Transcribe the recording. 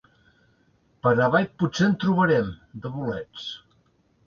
Per avall potser en trobarem, de bolets.